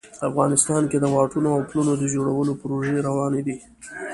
افغانستان کې د واټونو او پلونو د جوړولو پروژې روانې دي